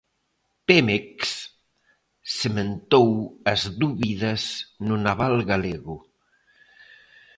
Pemex sementou as dúbidas no naval galego.